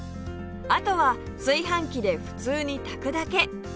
あとは炊飯器で普通に炊くだけ！